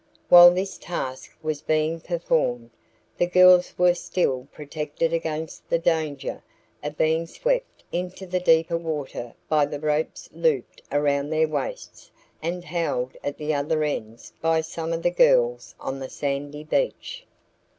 While this task was being performed, the girls were still protected against the danger of being swept into deeper water by the ropes looped around their waists and held at the other ends by some of the girls on the sandy beach.